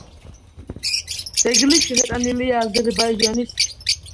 ძეგლი შეტანილია აზერბაიჯანის რესპუბლიკის ისტორიული ძეგლების ეროვნულ რეესტრში.